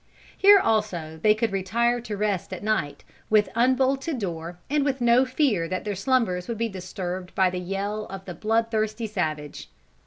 Here also they could retire to rest at night, with unbolted door and with no fear that their slumbers would be disturbed by the yell of the blood thirsty savage.